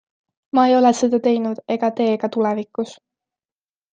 Me ei ole seda teinud ega tee ka tulevikus.